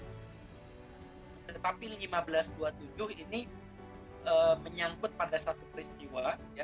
tetapi seribu lima ratus dua puluh tujuh ini menyangkut pada satu peristiwa